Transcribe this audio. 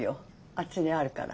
あっちにあるから。